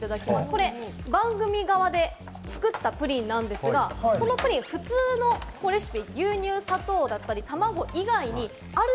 これ番組側で作ったプリンなんですが、このプリン普通のレシピ、牛乳、砂糖だったり、たまご以外にある